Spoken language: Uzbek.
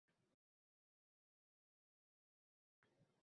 Aytingchi, bu loyihani ochishingizga nima sabab boʻldi?